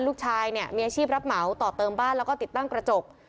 ลูกชายเนี่ยมีอาชีพรับเหมาต่อเติมบ้านแล้วก็ติดตั้งกระจก